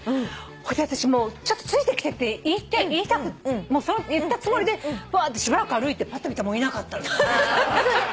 私「ちょっとついてきて」って言ったつもりでしばらく歩いてぱっと見たらもういなかったの。